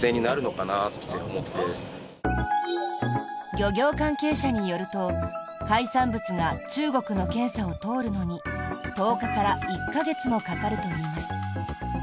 漁業関係者によると海産物が中国の検査を通るのに１０日から１か月もかかるといいます。